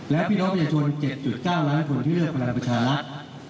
และพี่น้องประชาชน๗๙ล้านคนที่เลือกพลังประชารัฐ